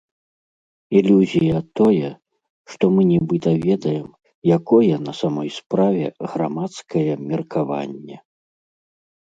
Ілюзія тое, што мы нібыта ведаем, якое на самой справе грамадскае меркаванне.